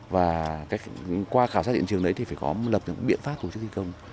và qua khảo sát hiện trường đấy thì phải có lập những biện pháp tổ chức thi công